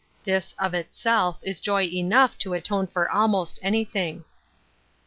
This, of itself, is joy enough to atone for almost anything."